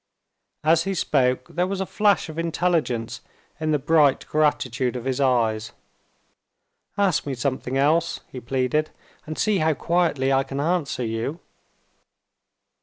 As he spoke, there was a flash of intelligence in the bright gratitude of his eyes. "Ask me something else," he pleaded; "and see how quietly I can answer you."